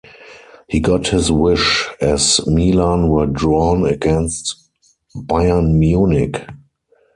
He got his wish, as Milan were drawn against Bayern Munich.